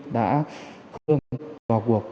đã khẩu trang vào cuộc